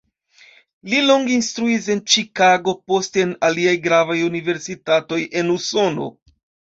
Li longe instruis en Ĉikago, poste en aliaj gravaj universitatoj en Usono.